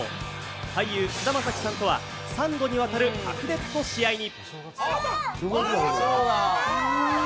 俳優・菅田将暉さんとは３度にわたる白熱の試合に！